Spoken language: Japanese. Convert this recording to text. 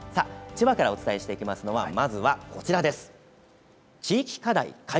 千葉からお伝えしていますのはまずは、こちらです。